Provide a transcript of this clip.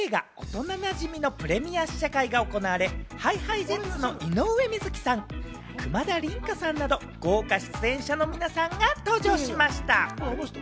昨日は映画『おとななじみ』のプレミア試写会が行われ、ＨｉＨｉＪｅｔｓの井上瑞稀さん、久間田琳加さんなど、豪華出演者の皆さんが登場しました。